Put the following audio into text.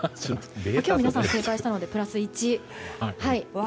今日、皆さん正解したのでプラス１。